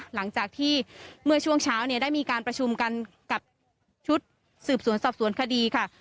หลังจากที่เมื่อช่วงเช้าเนี่ยได้มีการประชุมกันกับชุดสืบสวนสอบสวนคดีค่ะ